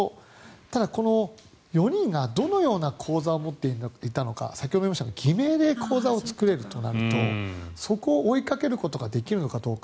ただ、この４人がどのような口座を持っていたのか先ほども言いましたが偽名で口座を作れるとなるとそこを追いかけることができるのかどうか。